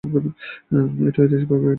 এটি ঐতিহাসিক ভাবে একটি প্রধান বন্দর।